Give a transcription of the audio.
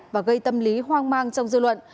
và gây tâm lý hoang mang trong dư luận